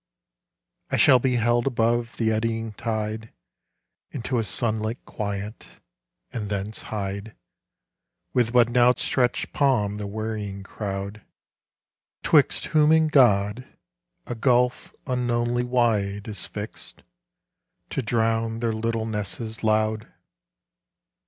I shall be held above the eddying tide Into a sunlit quiet, and thence hide With but an outstretched palm the wearying crowd, 'Twixt whom and God a gulf unknownly wide Is fixed, to drown their littlenesses loud.